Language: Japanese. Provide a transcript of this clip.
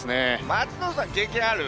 松野さん経験ある？